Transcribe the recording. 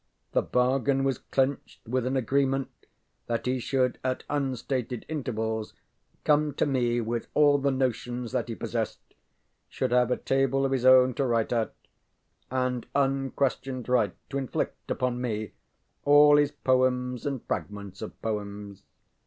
The bargain was clinched with an agreement that he should at unstated intervals come to me with all the notions that he possessed, should have a table of his own to write at, and unquestioned right to inflict upon me all his poems and fragments of poems.